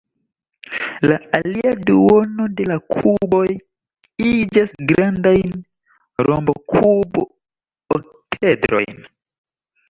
La alia duono de la kuboj iĝas grandajn rombokub-okedrojn.